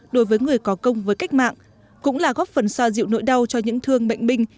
đối với người có công với cách mạng cũng là góp phần xoa dịu nỗi đau cho những thương bệnh binh